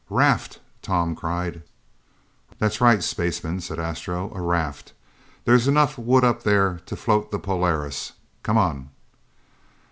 "Raft!" Tom cried. "That's right, spaceman," said Astro, "a raft. There's enough wood up there to float the Polaris. Come on!"